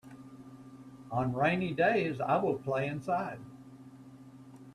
On rainy days I will play inside.